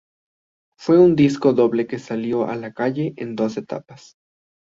Fue un disco doble que salió a la calle en dos etapas.